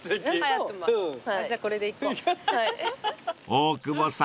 ［大久保さん